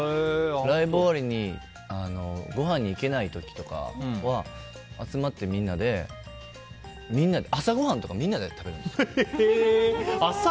ライブ終わりにごはんに行けない時とかは集まって、朝ごはんとかみんなで食べるんです。